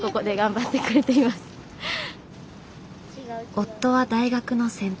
夫は大学の先輩。